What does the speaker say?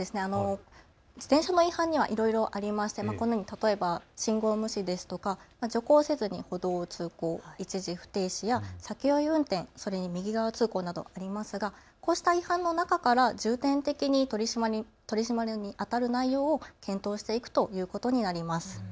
自転車の違反にはいろいろありまして、このように例えば信号無視ですとか徐行せずに歩道を通行、一時不停止や酒酔い運転、それに右側通行などありますがこうした違反の中から重点的に取締りにあたる内容を検討していくということになります。